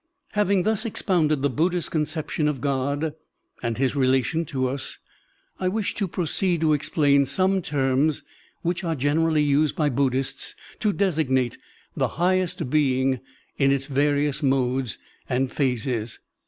♦♦♦ Having thus expotmded the Buddhist concep tion of God and his relation to us, I wish to pro ceed to explain some terms which are generally used by Buddhists to designate the highest being in its various modes and phases.